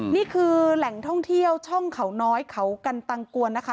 นี่คือแหล่งท่องเที่ยวช่องเขาน้อยเขากันตังกวนนะคะ